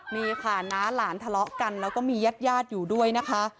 นี่ค่ะน้าหลานทะเลาะกันแล้วก็มีญาติญาติอยู่ด้วยนะคะ